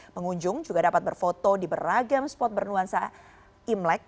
pengunjung juga dapat berfoto di beragam spot bernuansa imlek